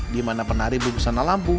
di mana penari bungsana lampu